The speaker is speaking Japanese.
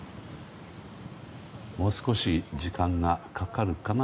もう少し、時間がかかるかな。